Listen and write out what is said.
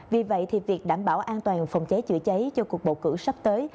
vì vậy việc đảm bảo an toàn phòng cháy chữa cháy cho cuộc bầu cử sắp tới